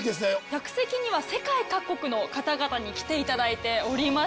客席には世界各国の方々に来ていただいております。